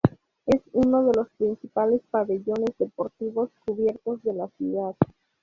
Es uno de los principales pabellones deportivos cubiertos de la ciudad.